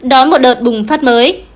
đón một đợt bùng phát mới